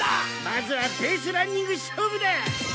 まずはベースランニング勝負だ！